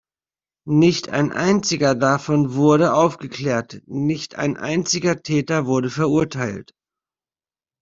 Nicht ein einziger davon wurde aufgeklärt, nicht ein einziger Täter wurde verurteilt.